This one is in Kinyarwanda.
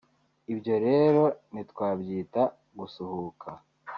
ibyo rero ntitwabyita gusuhuka